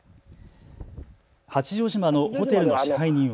八丈島のホテルの支配人は。